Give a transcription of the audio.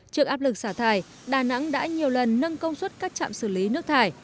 trước áp lực xả thải đà nẵng đã nhiều lần nâng công suất các trạm xử lý nước thải